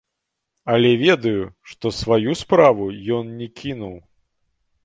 Але ведаю, што сваю справу ён не кінуў.